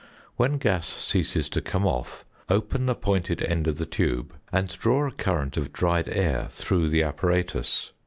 When gas ceases to come off, open the pointed end of the tube and draw a current of dried air through the apparatus.